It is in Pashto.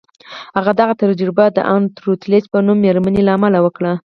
هغه دغه تجربه د ان روتلیج په نوم مېرمنې له امله وکړه